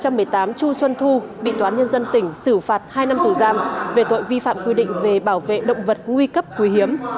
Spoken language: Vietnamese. năm hai nghìn một mươi tám chu xuân thu bị toán nhân dân tỉnh xử phạt hai năm tù giam về tội vi phạm quy định về bảo vệ động vật nguy cấp quý hiếm